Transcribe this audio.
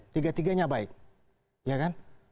tiga tiganya baik ya kan